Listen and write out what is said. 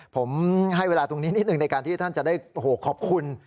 ผมให้เวลาตรงนี้นิดหนึ่งในการที่ท่านจะได้ขอบคุณ